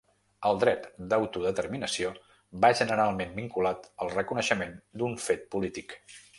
El dret d’autodeterminació va generalment vinculat al reconeixement d’un fet polític.